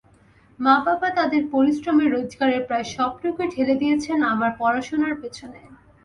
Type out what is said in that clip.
মা-বাবা তাঁদের পরিশ্রমের রোজগারের প্রায় সবটুকু ঢেলে দিয়েছেন আমার পড়াশোনার পেছনে।